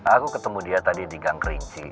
aku ketemu dia tadi di gang kerinci